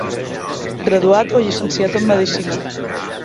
Graduat o llicenciat en medicina.